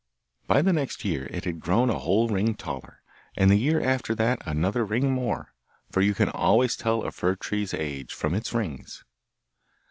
By the next year it had grown a whole ring taller, and the year after that another ring more, for you can always tell a fir tree's age from its rings.